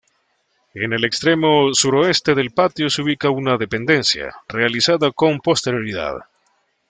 En el extremo suroeste del patio se ubica una dependencia, realizada con posterioridad.